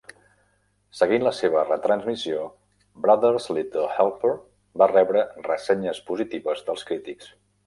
Seguint la seva retransmissió, "Brother's Little Helper" va rebre ressenyes positives dels crítics.